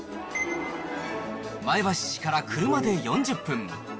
前橋市から車で４０分。